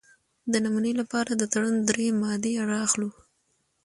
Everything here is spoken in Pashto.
د نمونې لپاره د تړون درې مادې را اخلو.